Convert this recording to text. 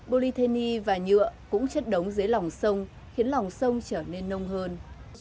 polythene và nhựa cũng chất đóng dưới lòng sông khiến lòng sông trở nên nông hơn